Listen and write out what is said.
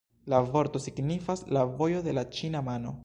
La vorto signifas «la vojo de la ĉina mano».